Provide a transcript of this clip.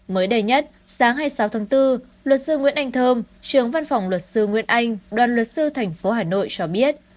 mới đầy nhất sáng hai mươi sáu tháng bốn luật sư nguyễn anh thơm trưởng văn phòng luật sư nguyễn anh đoàn luật sư tp hà nội cho biết